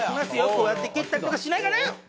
こうやって蹴ったりとかしながら。